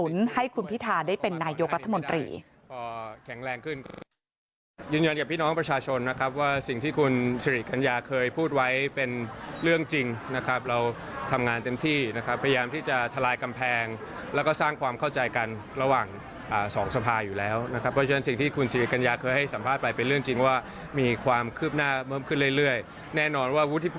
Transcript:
เพราะฉะนั้นสิ่งที่คุณสิริกัญญาเคยพูดไว้เป็นเรื่องจริงนะครับเราทำงานเต็มที่นะครับพยายามที่จะทลายกำแพงแล้วก็สร้างความเข้าใจกันระหว่างสองสภาอยู่แล้วนะครับเพราะฉะนั้นสิ่งที่คุณสิริกัญญาเคยให้สัมภาษณ์ไปเป็นเรื่องจริงว่ามีความคืบหน้าเพิ่มขึ้นเรื่อย